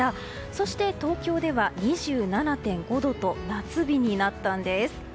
そして、東京では２７．５度と夏日になったんです。